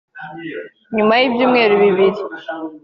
nyuma y'ibyumweru bibiri